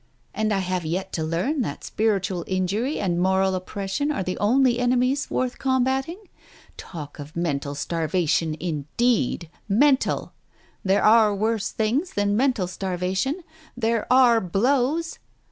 And I have yet to learn that spiritual injury and moral oppression are the only enemies worth combating ? Talk of mental starvation, indeed !... Mental !... There are worse things than mental starvation. There are blows.